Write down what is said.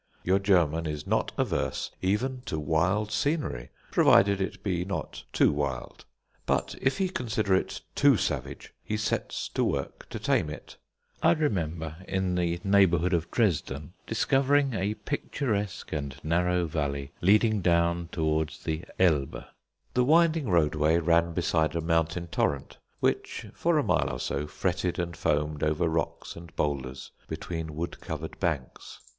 Your German is not averse even to wild scenery, provided it be not too wild. But if he consider it too savage, he sets to work to tame it. I remember, in the neighbourhood of Dresden, discovering a picturesque and narrow valley leading down towards the Elbe. The winding roadway ran beside a mountain torrent, which for a mile or so fretted and foamed over rocks and boulders between wood covered banks.